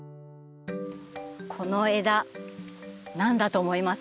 この枝何だと思います？